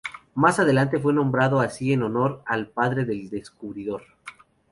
Más adelante fue nombrado así en honor al padre del descubridor.